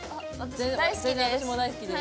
全然私も大好きです。